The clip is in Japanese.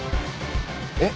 えっ？